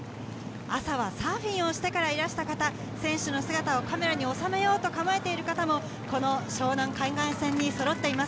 朝はサーフィンをしてからいらした方、選手の姿をカメラに収めようとと構えている方も湘南海岸線にそろっています。